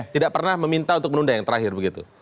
tidak pernah meminta untuk menunda yang terakhir begitu